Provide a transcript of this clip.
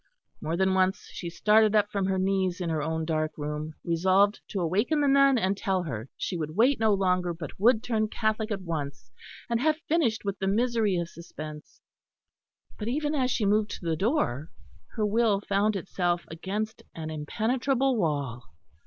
More than once she started up from her knees in her own dark room, resolved to awaken the nun and tell her she would wait no longer, but would turn Catholic at once and have finished with the misery of suspense: and even as she moved to the door her will found itself against an impenetrable wall.